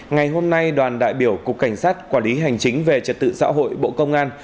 ngày hôm nay đoàn đại biểu cục cảnh sát quản lý hành chính về trật tự xã hội bộ công an